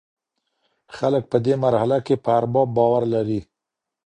خلګ په دې مرحله کي په ارباب باور لري.